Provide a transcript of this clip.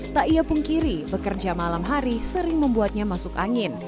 tak ia pungkiri bekerja malam hari sering membuatnya masuk angin